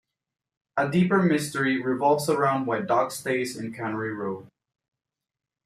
A deeper mystery revolves around why Doc stays in Cannery Row.